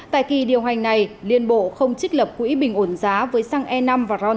tại kỳ điều hành này liên bộ không trích lập quỹ bình ổn giá với xăng e năm và ron chín